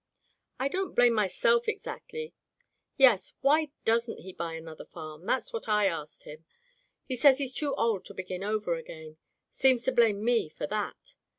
"I don't blame myself, exactly. Yes, why doesn*t he buy another farm ? That's what I asked him. He says he's too old to begin over again. Seems to blame me for that.